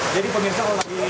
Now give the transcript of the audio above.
jadi pemirsa lagi